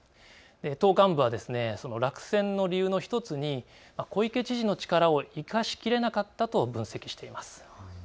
党幹部は落選の理由の１つに小池知事の力を生かしきれなかったと分析しています。